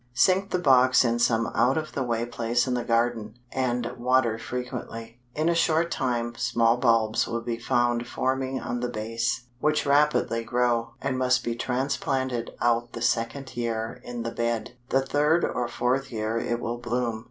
Sink the box in some out of the way place in the garden, and water frequently. In a short time small bulbs will be found forming on the base, which rapidly grow, and must be transplanted out the second year in the bed; the third or fourth year it will bloom.